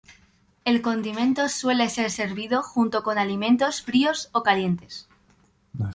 El condimento suele ser servido junto con alimentos fríos o calientes.